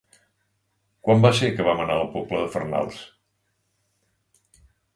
Quan va ser que vam anar a la Pobla de Farnals?